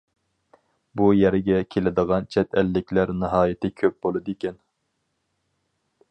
بۇ يەرگە كېلىدىغان چەت ئەللىكلەر ناھايىتى كۆپ بولىدىكەن.